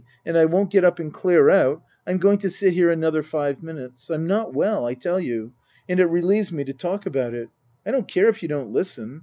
And I won't get up and clear out, I'm going to sit here another five minutes. I'm not well, I tell you, and it relieves me to talk about it. I don't care if you don't listen.